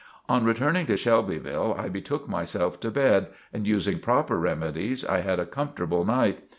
On returning to Shelbyville, I betook myself to bed, and using proper remedies, I had a comfortable night.